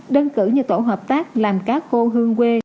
đơn cử như tổ hợp tác làm cá khô hương quê